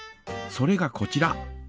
それがこちら。